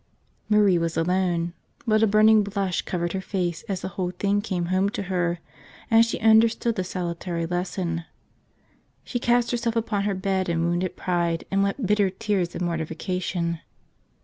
Marie was alone; but a burning blush covered her face as the whole thing came home to her and she understood the salutary lesson. She cast herself upon her bed in wounded pride and wept bitter tears of mortification.